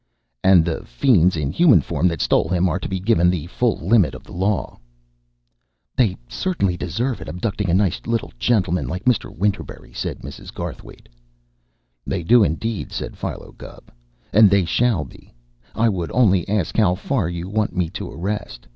"And the fiends in human form that stole him are to be given the full limit of the law?" "They certainly deserve it, abducting a nice little gentleman like Mr. Winterberry," said Mrs. Garthwaite. "They do, indeed," said Philo Gubb, "and they shall be. I would only ask how far you want me to arrest.